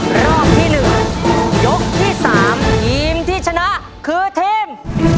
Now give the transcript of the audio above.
รอบที่๑ยกที่๓ทีมที่ชนะคือทีม